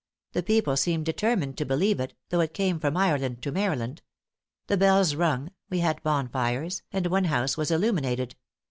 The people seem determined to believe it, though it came from Ireland to Maryland. The bells rung, we had bonfires, and one house was illuminated.